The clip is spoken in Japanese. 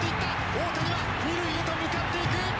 大谷は二塁へと向かっていく！